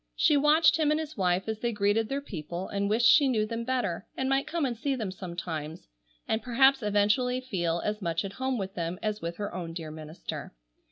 She watched him and his wife as they greeted their people, and wished she knew them better, and might come and see them sometimes, and perhaps eventually feel as much at home with them as with her own dear minister.